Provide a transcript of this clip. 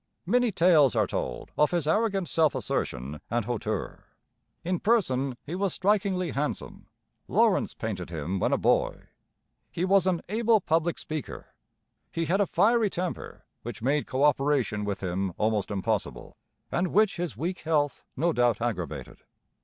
Many tales are told of his arrogant self assertion and hauteur. In person he was strikingly handsome. Lawrence painted him when a boy. He was an able public speaker. He had a fiery temper which made co operation with him almost impossible, and which his weak health no doubt aggravated.